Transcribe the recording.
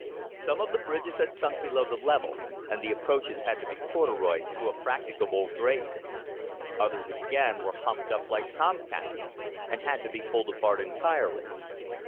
Some of the bridges had sunk below the level, and the approaches had to be corduroyed to a practicable grade. Others again were humped up like tom cats, and had to be pulled apart entirely.